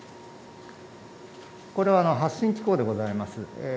これは発震機構でございます。